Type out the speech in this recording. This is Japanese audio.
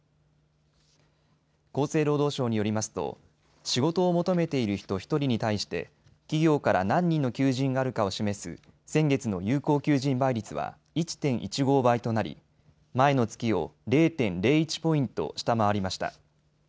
厚生労働省によりますと仕事を求めている人１人に対して企業から何人の求人があるかを示す先月の有効求人倍率は１．１５倍となり、前の月を０．０１ポイント下回りました。